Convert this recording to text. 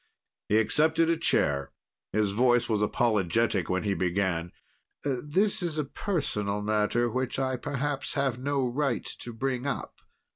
He accepted a chair. His voice was apologetic when he began. "This is a personal matter which I perhaps have no right to bring up.